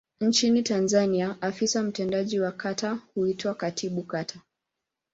Nchini Tanzania afisa mtendaji wa kata huitwa Katibu Kata.